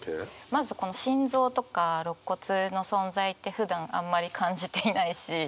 まずこの「心臓」とか「肋骨」の存在ってふだんあんまり感じていないし。